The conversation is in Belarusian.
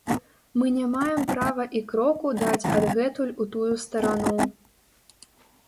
Мы не маем права і кроку даць адгэтуль у тую старану.